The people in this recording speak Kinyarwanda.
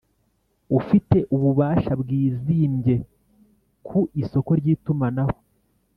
Ufite ububasha bwizimbye ku isoko ry’ itumanaho